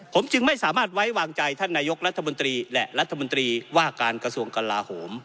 ผมจึงไม่สามารถไว้วางใจท่านนายกรัฐมนตรีและรัฐมนตรีว่าการกระทรวงกลาโหม